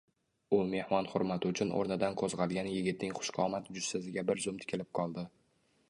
U mehmon hurmati uchun oʼrnidan qoʼzgʼalgan yigitning xushqomat jussasiga bir zum tikilib qoldi.